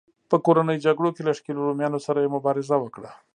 په کورنیو جګړو کې له ښکېلو رومیانو سره یې مبارزه وکړه.